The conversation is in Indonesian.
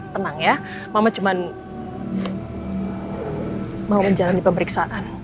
tenang ya mama cuma mau menjalani pemeriksaan